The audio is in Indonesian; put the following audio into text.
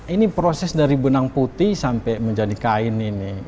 ini proses dari benang putih sampai menjadi kain ini